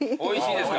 おいしい！